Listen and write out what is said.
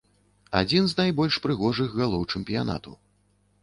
Адзін з найбольш прыгожых галоў чэмпіянату.